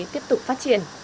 tiếp tục phát triển